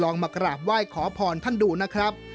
มากราบไหว้ขอพรท่านดูนะครับ